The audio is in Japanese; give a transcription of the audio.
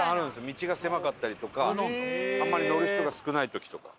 道が狭かったりとかあんまり乗る人が少ない時とか。